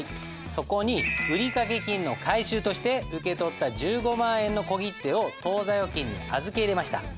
そこに売掛金の回収として受け取った１５万円の小切手を当座預金に預け入れました。